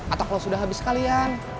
atau kalau sudah habis sekalian